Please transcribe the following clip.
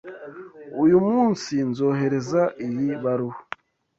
Uyu munsi nzohereza iyi baruwa.